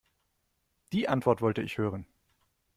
Die Antwort wollte ich hören.